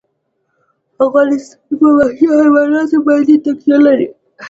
افغانستان په وحشي حیوانات باندې تکیه لري.